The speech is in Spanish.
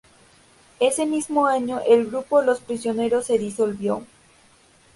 Ese mismo año, el grupo Los Prisioneros se disolvió.